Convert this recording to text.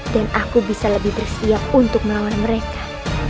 dan aku bisa lebih bersiap untuk melawan mereka